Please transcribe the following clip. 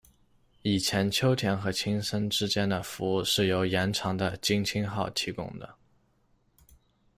以前秋田和青森之间的服务是由延长的“津轻”号提供的。